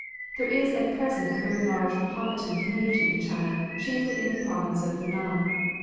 There is at present a very large Mahometan community in China, chiefly in the province of Yiinnan.